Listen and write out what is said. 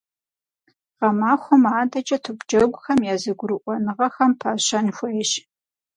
Гъэмахуэм адэкӀэ топджэгухэм я зэгурыӀуэныгъэхэм пащэн хуейщ.